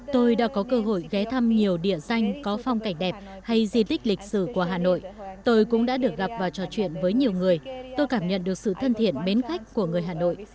tôi đã có cơ hội ghé thăm nhiều địa danh có phong cảnh đẹp hay di tích lịch sử của hà nội tôi cũng đã được gặp và trò chuyện với nhiều người tôi cảm nhận được sự thân thiện mến khách của người hà nội